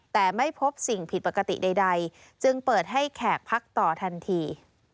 แต่ไม่พบสิ่งผิดปกติใดจึงเปิดให้แขกพักต่อทันที